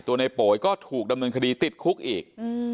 ในโป๋ยก็ถูกดำเนินคดีติดคุกอีก